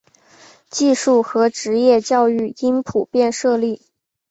技术和职业教育应普遍设立。